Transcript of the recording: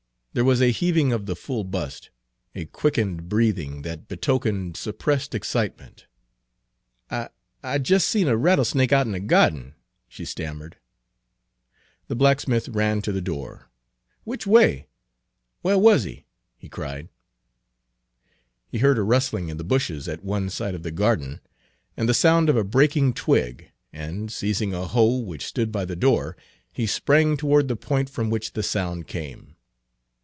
There was a heaving of the full bust, a quickened breathing, that betokened suppressed excitement. "I I jes' seen a rattlesnake out in de gyahden," she stammered. The blacksmith ran to the door. "Which way? Whar wuz he?" he cried. He heard a rustling in the bushes at one side of the garden, and the sound of a breaking twig, and, seizing a hoe which stood by the door, he sprang toward the point from which the sound came.